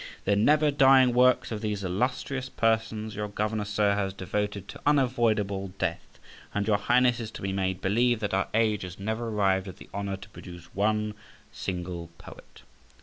The never dying works of these illustrious persons your governor, sir, has devoted to unavoidable death, and your Highness is to be made believe that our age has never arrived at the honour to produce one single poet.